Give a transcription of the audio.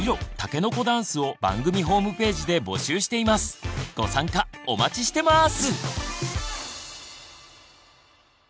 番組ではご参加お待ちしてます！